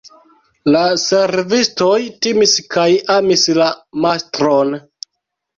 La servistoj timis kaj amis la mastron.